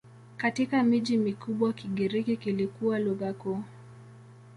Katika miji mikubwa Kigiriki kilikuwa lugha kuu.